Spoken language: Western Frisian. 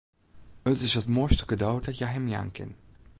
It is it moaiste kado dat hja him jaan kin.